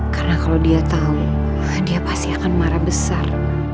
karena kalau dia tahu dia pasti akan marah besar